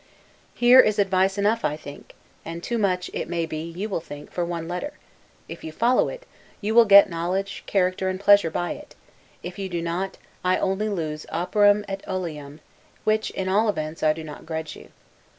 Here is advice enough, I think, and too much, it may be, you will think, for one letter; if you follow it, you will get knowledge, character, and pleasure by it; if you do not, I only lose 'operam et oleum,' which, in all events, I do not grudge you.